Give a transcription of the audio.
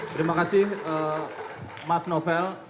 terima kasih mas novel